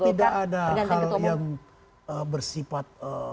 tidak ada hal yang bersifat